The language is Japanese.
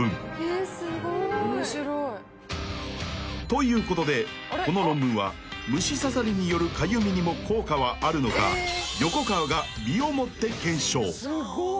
ということでこの論文は虫刺されによるかゆみにも効果はあるのか横川が身をもって検証］